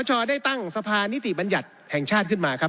ชอได้ตั้งสะพานนิติบัญญัติแห่งชาติขึ้นมาครับ